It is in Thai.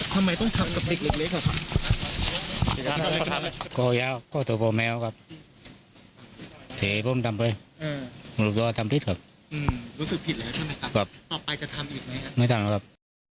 ทำไมต้องทำกับเด็กเล็กอะครับ